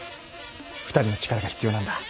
２人の力が必要なんだ。